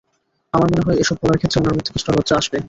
আমার মনে হয়, এসব বলার ক্ষেত্রে ওনার মধ্যে কিছুটা লজ্জা আসবে।